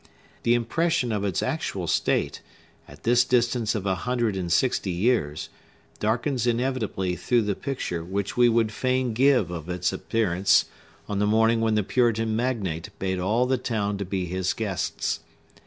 The impression of its actual state, at this distance of a hundred and sixty years, darkens inevitably through the picture which we would fain give of its appearance on the morning when the Puritan magnate bade all the town to be his guests.